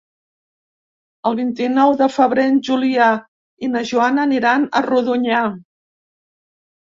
El vint-i-nou de febrer en Julià i na Joana aniran a Rodonyà.